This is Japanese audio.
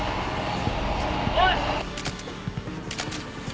おい！